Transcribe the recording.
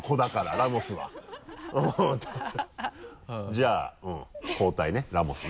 じゃあ交代ねラモスね。